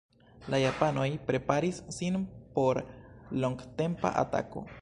La japanoj preparis sin por longtempa atako.